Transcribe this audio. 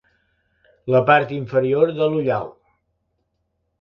La part inferior de l'ullal.